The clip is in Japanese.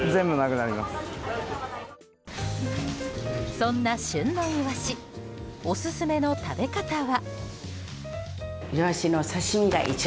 そんな旬のイワシオススメの食べ方は。